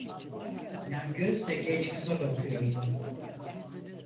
Yan gözle genç kıza bakıyordu.